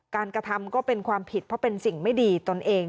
กระทำก็เป็นความผิดเพราะเป็นสิ่งไม่ดีตนเอง